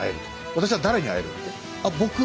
私は誰に会えるんだい？